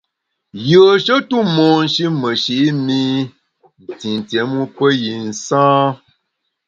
Yùeshe tu monshi meshi’ mi ntintié mu pe yi nsâ.